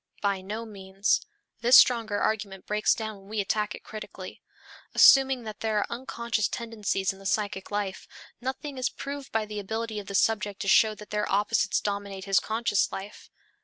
By no means; this stronger argument breaks down when we attack it critically. Assuming that there are unconscious tendencies in the psychic life, nothing is proved by the ability of the subject to show that their opposites dominate his conscious life.